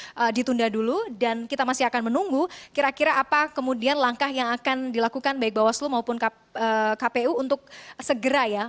jadi ini sudah ditunda dulu dan kita masih akan menunggu kira kira apa kemudian langkah yang akan dilakukan baik bawaslu maupun kpu untuk segera ya